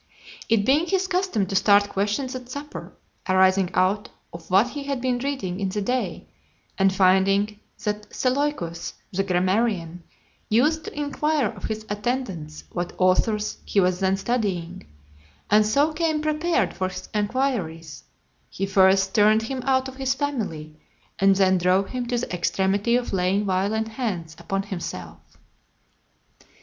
It being his custom to start questions at supper, arising out of what he had been reading in the day, and finding that Seleucus, the grammarian, used to inquire of his attendants what authors he was then studying, and so came prepared for his enquiries he first turned him out of his family, and then drove him to the extremity of laying violent hands upon himself.